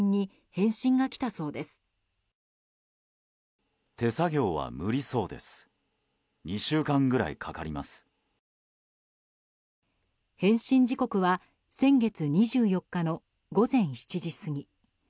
返信時刻は先月２４日の午前７時過ぎ。